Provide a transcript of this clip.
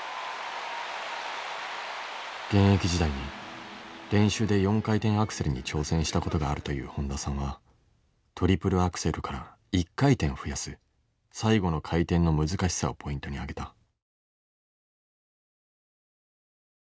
現役時代に練習で４回転アクセルに挑戦したことがあるという本田さんはトリプルアクセルから１回転増やす最後の回転の難しさをポイントにあげた。